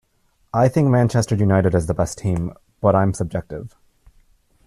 I think Manchester United is the best team, but I'm subjective.